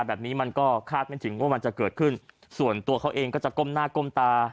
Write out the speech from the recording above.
แบบนี้มันก็คาดไม่ถึงว่ามันจะเกิดขึ้นส่วนตัวเขาเองก็จะก้มหน้าก้มตา